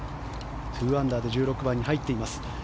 ２アンダーで１６番に入っています。